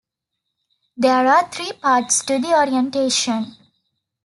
There are three parts to the orientation.